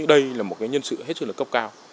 đây là một nhân sự hết sức là cấp cao